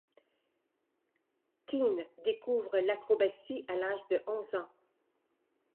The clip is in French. Qin découvre l'acrobatie à l'âge de onze ans.